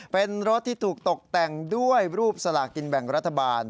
เป็นรถที่ถูกตกแต่งด้วยรูปสลากินแบ่งรัฐบาล